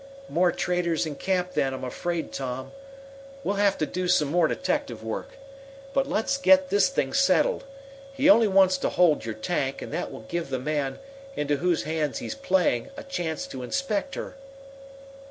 "More traitors in camp, then, I'm afraid, Tom. We'll have to do some more detective work. But let's get this thing settled. He only wants to hold your tank, and that will give the man, into whose hands he's playing, a chance to inspect her."